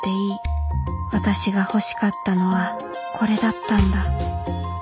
私が欲しかったのはこれだったんだ。